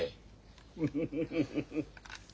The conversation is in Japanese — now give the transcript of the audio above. フフフフフッ。